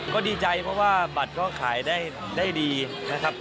ก็ดีใจเพราะว่าบัตรก็ขายได้ดีนะครับ